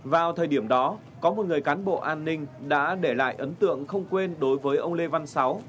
vào thời điểm đó có một người cán bộ an ninh đã để lại ấn tượng không quên đối với ông lê văn sáu